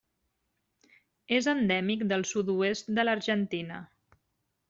És endèmic del sud-oest de l'Argentina.